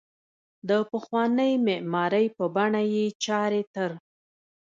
د پخوانۍ معمارۍ په بڼه یې چارې تر